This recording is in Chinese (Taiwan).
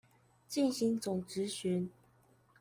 進行總質詢